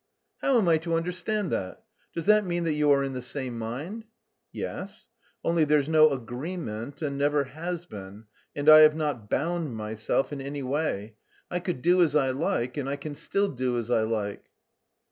"How am I to understand that? Does that mean that you are in the same mind?" "Yes. Only there's no agreement and never has been, and I have not bound myself in any way. I could do as I like and I can still do as I like."